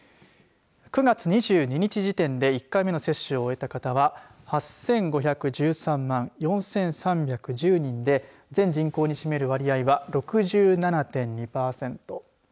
９月２２日時点で１回目の接種を終えた方は８５１３万４３１０人で全人口に占める割合は６７．２パーセント。